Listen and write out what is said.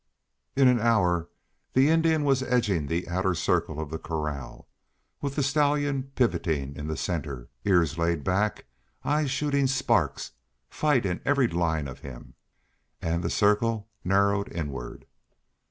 In an hour the Indian was edging the outer circle of the corral, with the stallion pivoting in the centre, ears laid back, eyes shooting sparks, fight in every line of him. And the circle narrowed inward.